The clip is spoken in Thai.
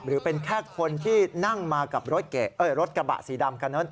หรือเป็นแค่คนที่นั่งมากับรถกระบะสีดำคันนั้น